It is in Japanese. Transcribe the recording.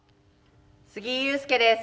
杉井勇介です。